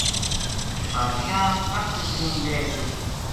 بادشاہ تخت اُپروں لہہ گیو